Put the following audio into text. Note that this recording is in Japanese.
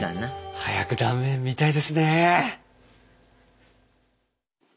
早く断面が見たいですね。